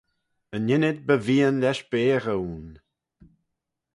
Yn ynnyd by vian lesh beaghey ayn.